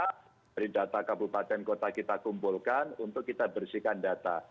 dari data kabupaten kota kita kumpulkan untuk kita bersihkan data